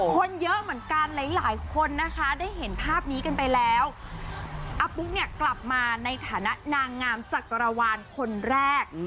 คนเยอะเหมือนกันหลายหลายคนนะคะได้เห็นภาพนี้กันไปแล้วอาปุ๊กเนี่ยกลับมาในฐานะนางงามจักรวาลคนแรก